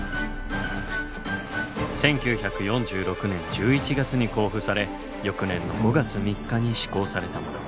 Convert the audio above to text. １９４６年１１月に公布され翌年の５月３日に施行されたもの。